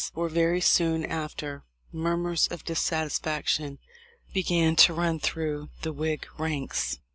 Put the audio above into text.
for very soon after, murmurs of dissatisfaction began to run through the Whig ranks.